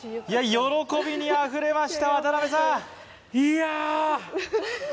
喜びにあふれました渡部さんいやっ！